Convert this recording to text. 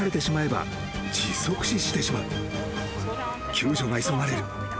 ［救助が急がれる。